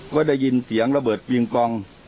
ก็ได้ยินเสียงระเบิดปิงปอง